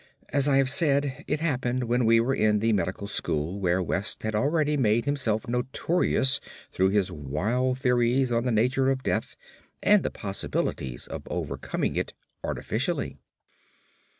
As I have said, it happened when we were in the medical school, where West had already made himself notorious through his wild theories on the nature of death and the possibility of overcoming it artificially.